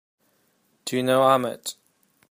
Do you know Ahmed?